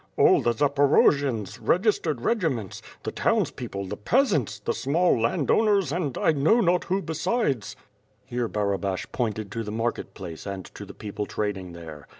All the Zaporojians, registered regiments. The townspeople; the peasants; the small land owners and I know not who besides." 28' ^ITH FIRE AND SWORD, Here Barabash pointed to the market place and to the peo ple trading there.